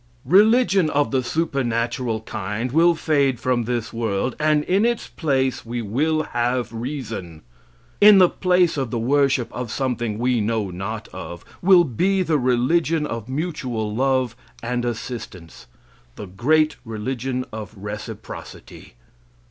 Religion of the supernatural kind will fade from this world, and in its place we will have reason. In the place of the worship of something we know not of, will be the religion of mutual love and assistance the great religion of reciprocity.